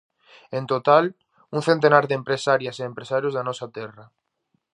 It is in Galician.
En total, un centenar de empresarias e empresarios da nosa terra.